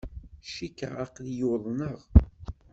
Cikkeɣ aql-iyi uḍneɣ.